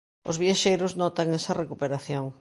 Os viaxeiros notan esa recuperación.